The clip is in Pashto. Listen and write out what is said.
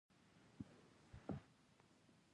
کمپیوټر د انساني احساساتو نه پوهېږي.